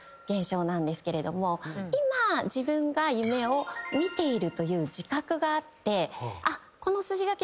今自分が夢を見ているという自覚があってこの筋書き